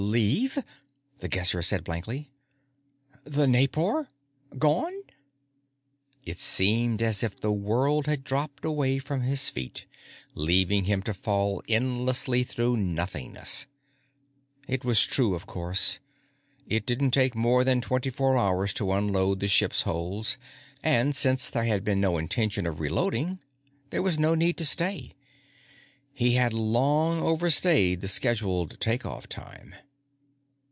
"Leave?" The Guesser said blankly. "The Naipor? Gone?" It seemed as if the world had dropped away from his feet, leaving him to fall endlessly through nothingness. It was true, of course. It didn't take more than twenty four hours to unload the ship's holds, and, since there had been no intention of reloading, there was no need to stay. He had long overstayed the scheduled take off time.